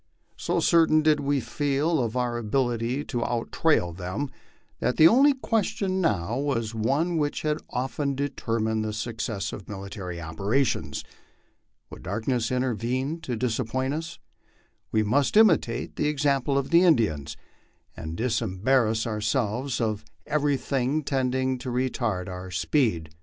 So certain did we feel of our ability to out trail them, that the only question now was one which has often determined the suc cess of military operations. Would darkness intervene to disappoint us ? We must imitate the example of the Indians, and disembarrass ourselves of every thing tending to retard our speed.